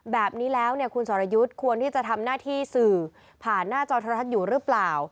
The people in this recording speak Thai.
แบบนี้แล้วเนี่ยคุณสรยุทธ์ควรที่จะทำหน้าที่สื่อผ่านหน้าจอโทรทัศน์อยู่หรือเปล่า